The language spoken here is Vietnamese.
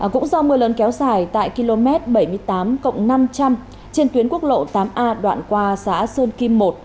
cũng do mưa lớn kéo dài tại km bảy mươi tám năm trăm linh trên tuyến quốc lộ tám a đoạn qua xã sơn kim một